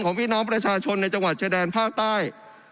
พี่น้องประชาชนในจังหวัดชายแดนภาคใต้